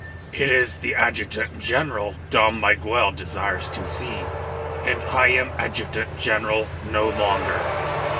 "It is the adjutant general Dom Miguel desires to see, and I am adjutant general no longer."